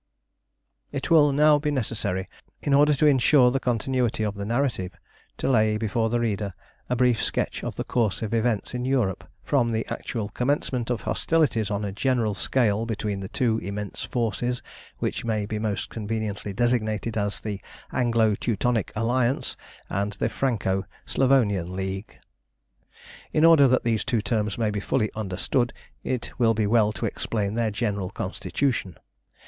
It will now be necessary, in order to insure the continuity of the narrative, to lay before the reader a brief sketch of the course of events in Europe from the actual commencement of hostilities on a general scale between the two immense forces which may be most conveniently designated as the Anglo Teutonic Alliance and the Franco Slavonian League. In order that these two terms may be fully understood, it will be well to explain their general constitution.